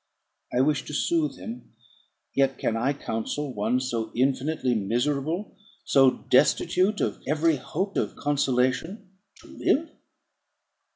I wish to soothe him; yet can I counsel one so infinitely miserable, so destitute of every hope of consolation, to live?